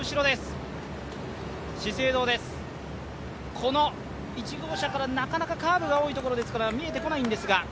資生堂です、この１号車からは、なかなかカーブが多いので見えてこないんですが。